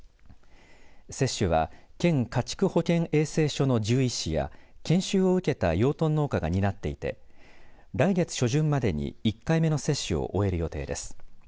接種は県家畜保健衛生所の獣医師や研修を受けた養豚農家が担っていて来月初旬までに１回目の接種を終える予定です。